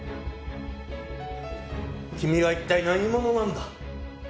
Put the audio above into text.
君は一体何者なんだ？